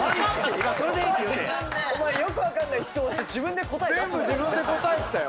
お前よく分かんない質問して自分で答え出すなよ。